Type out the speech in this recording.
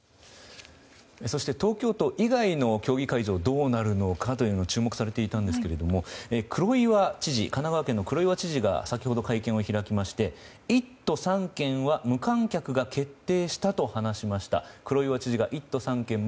そして東京都以外の競技会場はどうなるのか注目されていたんですが神奈川県の黒岩知事が先ほど、会見を開きまして１都３県は無観客が決定したと話しました。